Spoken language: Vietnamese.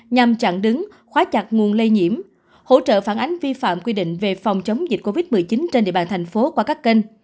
nhằm chặn đứng khóa chặt nguồn lây nhiễm hỗ trợ phản ánh vi phạm quy định về phòng chống dịch covid một mươi chín trên địa bàn thành phố qua các kênh